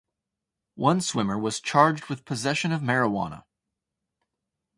One swimmer was charged with possession of marijuana.